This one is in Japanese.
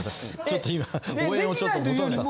ちょっと今応援を求めた。